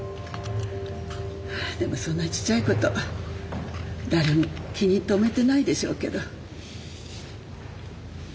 でもそんなちっちゃいこと誰も気に留めてないでしょうけど。